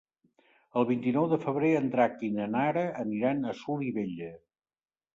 El vint-i-nou de febrer en Drac i na Nara aniran a Solivella.